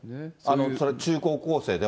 それ、中高校生でも。